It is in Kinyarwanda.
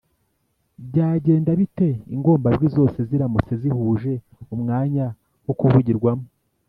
byagenda bite ingombajwi zose ziramutse zihuje umwanya wo kuvugirwamo